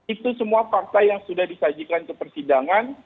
itu semua fakta yang sudah disajikan ke persidangan